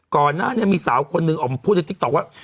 ก่อนหน้านี้มีสาวคนหนึ่งออกมาพูดในติ๊กต๊อกว่า